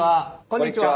こんにちは。